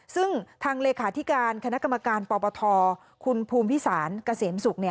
ซึ่งทางเลขาธิการคณะกรรมการปปทคุณภูมิพิสารเกษมศุกร์